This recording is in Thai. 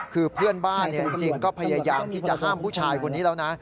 คือเพื่อนบ้านจริงก็พยายามที่จะห้ามผู้ชายคนนี้แล้วนะ